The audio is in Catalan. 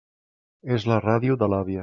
És la ràdio de l'àvia.